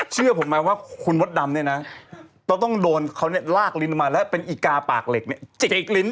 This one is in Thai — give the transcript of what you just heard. เชื่อผมมาว่าคุณมดดำเนี่ยนะต้องโดนเขาเนี่ยลากลิ้นมาแล้วเป็นอีกาปากเหล็กเนี่ย